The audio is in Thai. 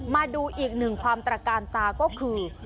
มาดูอีกหนึ่งความตระการตาก็คือ